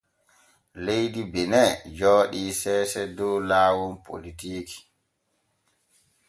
Leydi Bene jooɗii seese dow laawol politiiki.